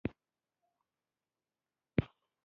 په هر سيمه چی بريښنا شی، تندر پر يوزی زموږ په کلی